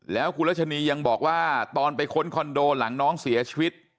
แล้วคุณรัชนียังบอกว่าตอนไปค้นคอนโดหลังน้องเสียชีวิต